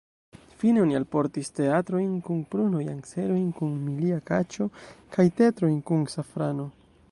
Fine oni alportis tetraojn kun prunoj, anserojn kun milia kaĉo kaj tetrojn kun safrano.